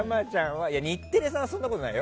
日テレさんはそんなことないよ。